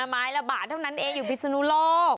ไม้ละบาทเท่านั้นเองอยู่พิศนุโลก